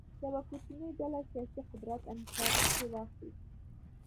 یوه کوچنۍ ډلې سیاسي قدرت انحصار کې واخیست.